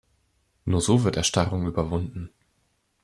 Nur so wird Erstarrung überwunden.